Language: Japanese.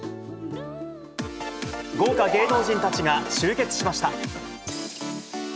豪華芸能人たちが集結しました。